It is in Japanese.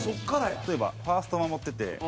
例えばファースト守ってて送球。